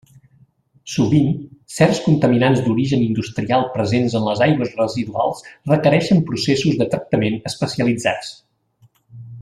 Sovint certs contaminants d'origen industrial presents en les aigües residuals requereixen processos de tractament especialitzats.